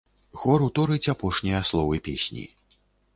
Хор уторыць апошнія словы песні.